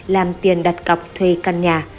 làm tiền đặt cọc thuê căn nhà